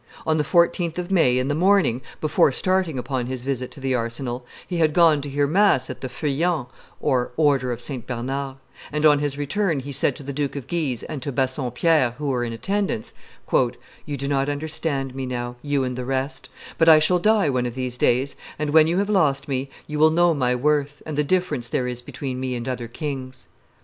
On the 14th of May, in the morning, before starting upon his visit to the Arsenal, he had gone to hear mass at the Feuillants' [order of St. Bernard]; and on his return he said to the Duke of Guise and to Bassompierre, who were in attendance, "You do not understand me now, you and the rest; but I shall die one of these days, and, when you have lost me, you will know my worth and the difference there is between me and other kings."